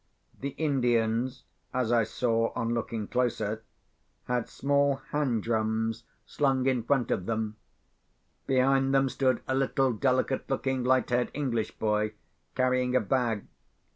The Indians, as I saw on looking closer, had small hand drums slung in front of them. Behind them stood a little delicate looking light haired English boy carrying a bag.